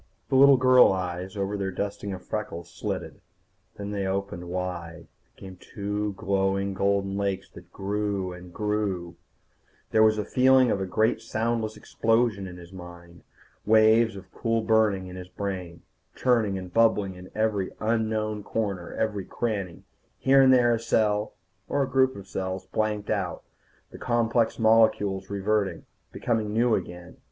The little girl eyes over their dusting of freckles slitted. Then they opened wide, became two glowing golden lakes that grew, and grew There was the feeling of a great soundless explosion in his mind. Waves of cool burning in his brain, churning and bubbling in every unknown corner, every cranny. Here and there a cell, or a group of cells, blanked out, the complex molecules reverting, becoming new again.